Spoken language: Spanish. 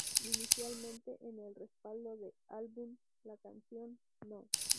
Inicialmente, en el respaldo del álbum, la canción No.